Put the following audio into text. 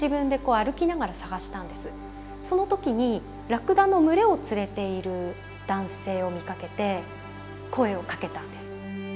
その時にラクダの群れを連れている男性を見かけて声をかけたんです。